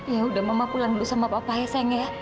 ya udah mama pulang dulu sama papa ya sayang ya